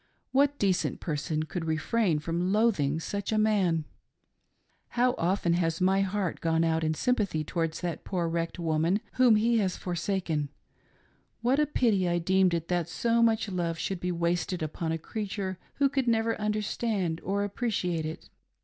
What decent person could refrain from loathing such a man ! How often has my heart gone out in sympathy towards that poor, wrecked woman whom he had forsaken ; what a pity I deemed it that so much love should be wasted upon a creature who could never understand or appreciate it.